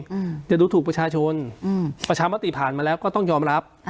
เดี๋ยวดูถูกประชาชนประชาปฏิผ่านมาแล้วก็ต้องยอมรับ